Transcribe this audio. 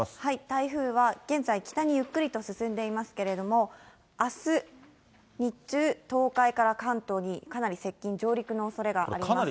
台風は現在、北にゆっくりと進んでいますけれども、あす日中、東海から関東にかなり接近、上陸のおそれがあります。